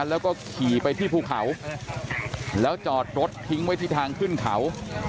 แล้วก็ขี่ไปที่ภูเขาแล้วจอดรถทิ้งไว้ที่ทางขึ้นเขา